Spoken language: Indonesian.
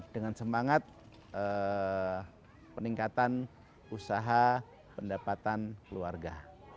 dengan semangat peningkatan usaha pendapatan keluarga